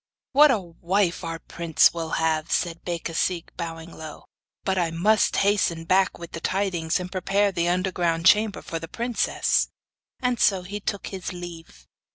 'What a wife our prince will have!' said Becasigue bowing low; 'but I must hasten back with the tidings, and to prepare the underground chamber for the princess.' And so he took his leave.